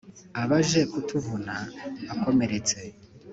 Abaje kutuvuna akomeretse